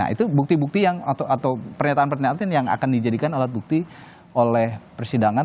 itu bukti bukti atau pernyataan pernyataan yang akan dijadikan alat bukti oleh persidangan